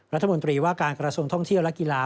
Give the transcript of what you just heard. รัฐมนตรีว่าการกระทรวงท่องเที่ยวและกีฬา